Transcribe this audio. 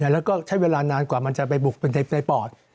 แล้วก็ใช้เวลานานกว่ามันจะไปบุกเป็นในปอด